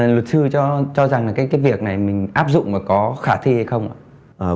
luật sư cho rằng là cái việc này mình áp dụng mà có khả thi hay không ạ